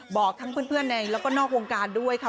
บอกทั้งเพื่อนแงงแล้วก็นอกวงการด้วยค่ะ